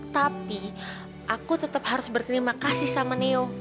tapi aku tetap harus berterima kasih sama neo